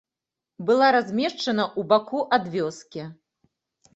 Была размешчана ў баку ад вёскі.